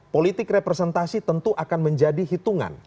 politik representasi tentu akan menjadi hitungan